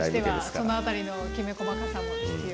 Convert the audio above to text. その辺りのきめ細かさも必要。